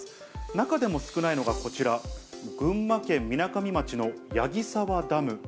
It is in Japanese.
中でも少ないのがこちら、群馬県みなかみ町の矢木沢ダム。